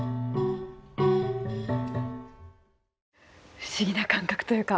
不思議な感覚というか。